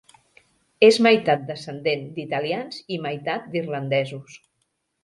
És meitat descendent d'italians i meitat d'irlandesos.